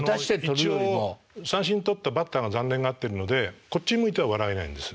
一応三振取ったバッターが残念がってるのでこっち向いては笑えないんです。